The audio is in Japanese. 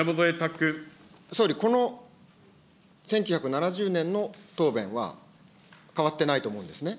総理、この１９７０年の答弁は、変わってないと思うんですね。